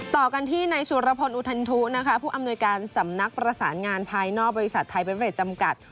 ต่อกันที่ในสุรพลอุทันทุนะคะผู้อำนวยการสำนักประสานงานภายนอกบริษัทไทยเบเรดจำกัด